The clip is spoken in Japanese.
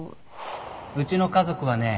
うちの家族はね